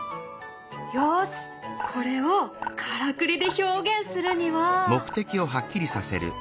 よしこれをからくりで表現するには。